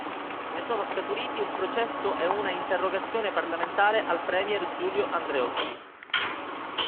Ne sono scaturiti un processo e una interrogazione parlamentare al premier Giulio Andreotti.